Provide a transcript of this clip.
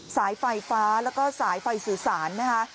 สายไฟฟ้าแล้วก็สายไฟสื่อสารนะคะ